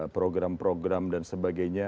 program program dan sebagainya